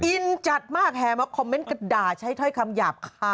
อินจัดมากแฮ่มาคอมเม้นต์ก็ด่าใช้เท้าให้คำหยาบคลาย